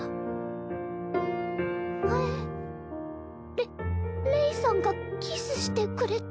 レレイさんがキスしてくれた